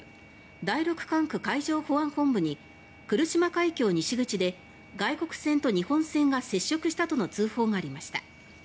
第六管区海上保安本部に来島海峡西口で外国船と日本船が接触したとの通報がありました。